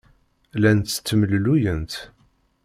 Llant ttemlelluyent.